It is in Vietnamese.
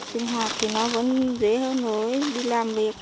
trình học thì nó vẫn dễ hơn với đi làm việc